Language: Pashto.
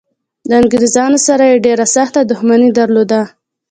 د انګریزانو سره یې ډېره سخته دښمني درلوده.